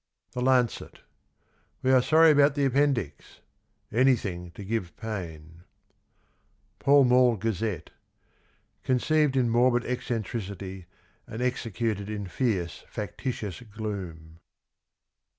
The Lancet. —" We are sorry about the appendix !... Anything to give pain !" Pall Mall Gazette. —" Conceived in morbid eccentricity, and executed in fierce factitious gloom."